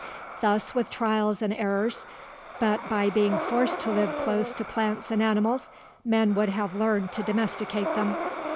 Thus, with trials and errors, but by being forced to live close to plants and animals, men would have learned to domesticate them.